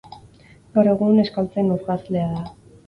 Gaur egun euskaltzain urgazlea da.